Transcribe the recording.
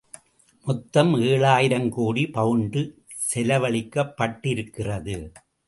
மொத்தம் ஏழாயிரம் கோடி பவுண்டு செலவழிக்கப்பட்டிருக்கிறது.